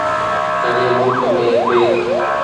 سڄي ملڪ ۾ ٽي